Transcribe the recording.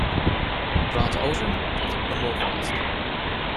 From the ocean to the permafrost.